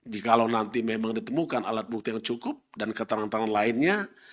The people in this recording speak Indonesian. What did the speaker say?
jikalau nanti memang ditemukan alat bukti yang cukup dan keterangan lainnya